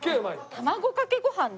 卵かけご飯に。